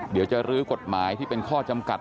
เดี๋ยวจะรื้อกฎหมายที่เป็นข้อจำกัด